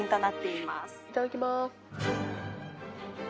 いただきます。